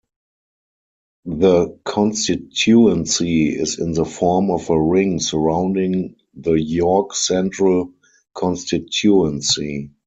The constituency is in the form of a ring surrounding the York Central constituency.